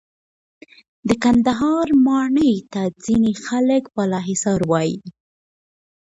د کندهار ماڼۍ ته ځینې خلک بالاحصار وایې.